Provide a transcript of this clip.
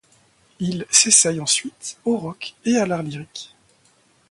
Il s'essaye ensuite au rock et à l'art lyrique.